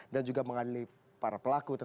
dan juga mengadili para pelaku